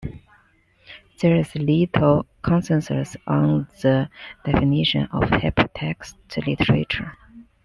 There is little consensus on the definition of hypertext literature.